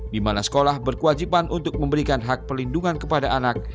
di mana sekolah berkewajiban untuk memberikan hak perlindungan kepada anak